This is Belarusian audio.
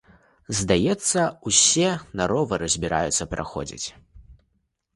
Здаецца, усе на ровары збіраюцца пераходзіць.